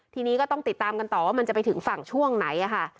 ทีนี้ก็ต้องติดตามกันต่อว่ามันจะไปถึงฝั่งช่วงไหนค่ะ